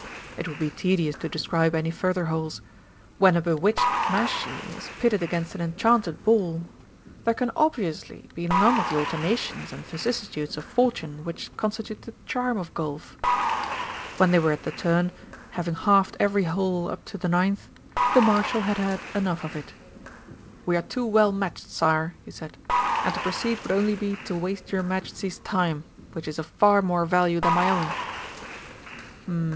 It would be tedious to describe any further holes. When a bewitched mashie is pitted against an enchanted ball, there can obviously be none of the alternations and vicissitudes of Fortune which constitute the charm of Golf. When they were at the turn, having halved every hole up to the ninth, the Marshal had had enough of it. "We are too well matched, Sire," he said, "and to proceed would only be to waste your Majesty's time, which is of far more value than my own."